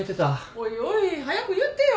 おいおい早く言ってよ！